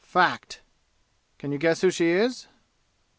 Fact! Can you guess who she is?"